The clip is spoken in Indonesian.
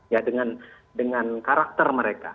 ya dengan karakter mereka